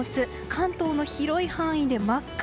関東の広い範囲で真っ赤。